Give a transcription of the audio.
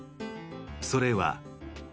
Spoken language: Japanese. それは。